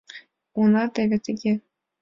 Уна, теве тыге...